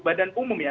badan umum ya